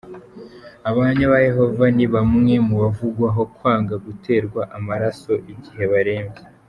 Abahamya ba Yehova ni bamwe mu bavugwaho kwanga guterwa amaraso igihe barembye.